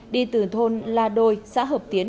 đi từ thôn la đôi xã hợp tiến